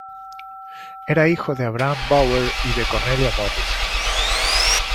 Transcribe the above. Era hijo de Abraham Bower y de Cornelia Morris.